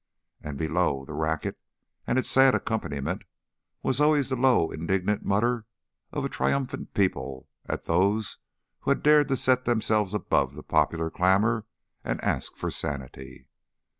And below the racket and its sad accompaniment was always the low indignant mutter of a triumphant people at those who had dared to set themselves above the popular clamour and ask for sanity.